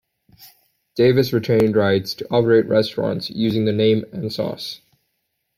Davis retained rights to operate restaurants using the name and sauce.